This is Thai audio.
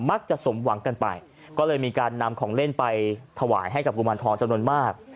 สมหวังกันไปก็เลยมีการนำของเล่นไปถวายให้กับกุมารทองจำนวนมาก